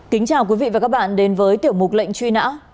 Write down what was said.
kính chào quý vị và các bạn đến với tiểu mục lệnh truy nã